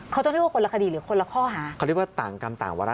เขาต้องเรียกว่าคนละคดีหรือคนละข้อหาเขาเรียกว่าต่างกรรมต่างวาระ